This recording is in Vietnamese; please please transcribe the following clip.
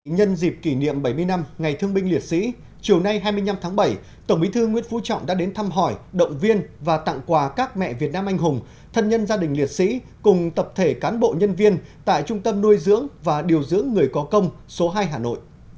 nhân dịp kỷ niệm bảy mươi năm ngày thương binh liệt sĩ chiều nay hai mươi năm tháng bảy tổng bí thư nguyễn phú trọng đã đến thăm hỏi động viên và tặng quà các mẹ việt nam anh hùng thân nhân gia đình liệt sĩ cùng tập thể cán bộ nhân viên tại trung tâm nuôi dưỡng và điều dưỡng người có công số hai hà nội